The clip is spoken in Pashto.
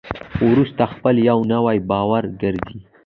خو وروسته خپله یو نوی باور ګرځي.